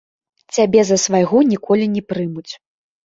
Цябе за свайго ніколі не прымуць.